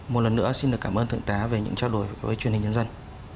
một lần nữa xin cảm ơn thượng tá về những trả lời với truyền hình dân dân